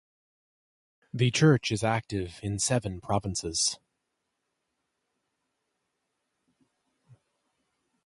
The Church is active in seven provinces.